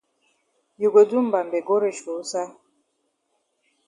You go do mbambe go reach for wusaid?